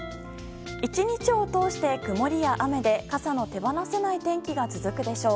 １日を通して曇りや雨で傘の手放せない天気が続くでしょう。